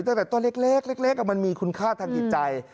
ตั้งแต่ตัวเล็กมันมีคุณค่าทางจิตใจ